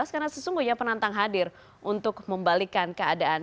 karena sesungguhnya penantang hadir untuk membalikan keadaan